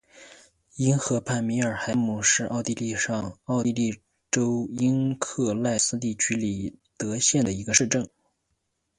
因河畔米尔海姆是奥地利上奥地利州因克赖斯地区里德县的一个市镇。